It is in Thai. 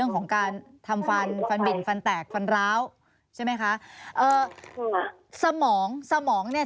ของการทำฟันฟันบินฟันแตกฟันร้าวใช่ไหมคะเอ่อถูกสมองสมองเนี่ย